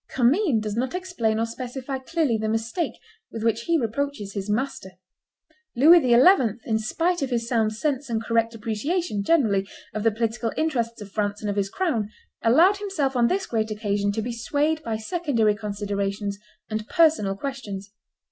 Commynes does not explain or specify clearly the mistake with which he reproaches his master. Louis XI., in spite of his sound sense and correct appreciation, generally, of the political interests of France and of his crown, allowed himself on this great occasion to be swayed by secondary considerations and personal questions.